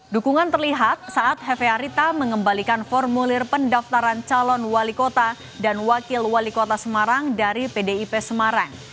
dukungan terlihat saat hefe arita mengembalikan formulir pendaftaran calon wali kota dan wakil wali kota semarang dari pdip semarang